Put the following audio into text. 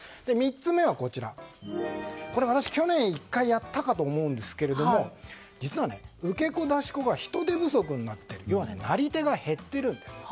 ３つ目は私、去年１回やったかと思うんですけども実は受け子、出し子が人手不足になってなり手が減っているんです。